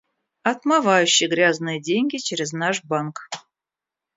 Отмывающий грязные деньги через наш банк.